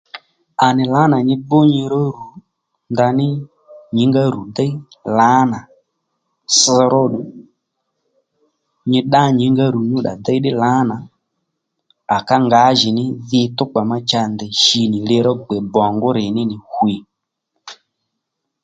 À nì lǎ nà nyi gbú nyi ró rù ndaní nyǐngá rù déy lǎnà sòró ddù nyi ddá nyǐngá rù nyǔddà déy ddí lǎnà à ká ngǎjìní dhi thókpà ma cha ndèy shi li ro gbè bongú rrì ní nì hwì